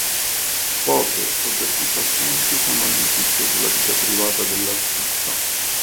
Poche o del tutto assenti sono le notizie sulla vita privata dell'artista.